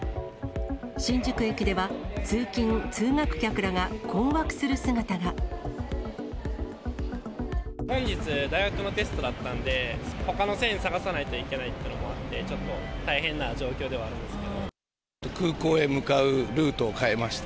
新宿駅では、本日、大学のテストだったんで、ほかの線を探さないといけないっていうのもあって、ちょっと大変空港へ向かうルートを変えました。